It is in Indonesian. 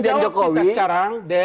panggung jawab kita sekarang dan